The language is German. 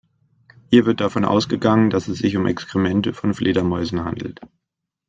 Hier wird davon ausgegangen, dass es sich um Exkremente von Fledermäusen handelt.